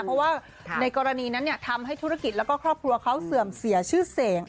เพราะว่าในกรณีนั้นทำให้ธุรกิจแล้วก็ครอบครัวเขาเสื่อมเสียชื่อเสียง